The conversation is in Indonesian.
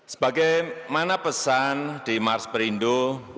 sebagai mana pesan di mars perindo